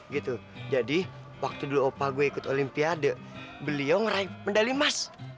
gitu jadi waktu dulu opa gue ikut olimpiade beliau ngeraih medali emas